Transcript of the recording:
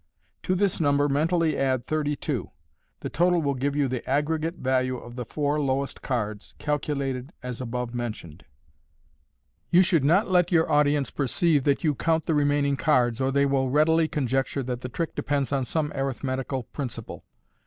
To this number mentally add thirty two. The total will give you the aggregate value ol the four lowest cards, calculated as above mentioned* MODERN MAGIC. You should not let your audience perceive that you count the remaining cards, or they will readily conjecture that the trick depends on some arithmetical principle.